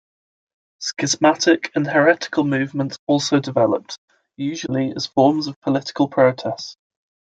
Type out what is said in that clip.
Schismatic and heretical movements also developed, usually as forms of political protest.